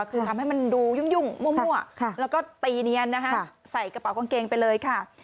คือทำให้มันดูยุ่งมั่วแล้วก็ตีเนียนนะคะใส่กระเป๋ากางเกงไปเลยค่ะ